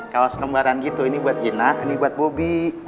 kaos lembaran gitu ini buat gina ini buat bobi